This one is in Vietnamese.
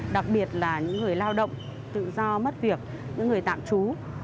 đặc biệt là những người lao động tự do mất việc những người tạm trú